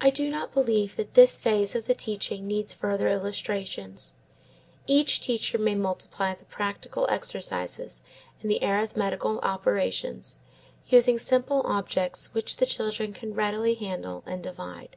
I do not believe that this phase of the teaching needs further illustrations. Each teacher may multiply the practical exercises in the arithmetical operations, using simple objects which the children can readily handle and divide.